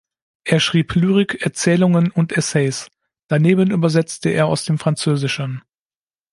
Er schrieb Lyrik, Erzählungen und Essays; daneben übersetzte er aus dem Französischen.